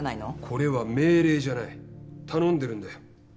これは命令じゃない頼んでるんだよ。